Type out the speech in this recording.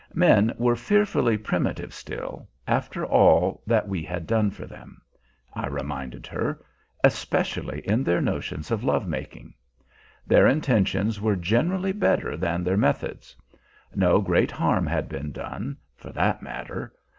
Men were fearfully primitive still, after all that we had done for them, I reminded her, especially in their notions of love making. Their intentions were generally better than their methods. No great harm had been done, for that matter.